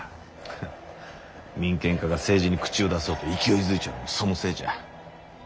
ハッ民権家が政治に口を出そうと勢いづいちょるんもそのせいじゃ。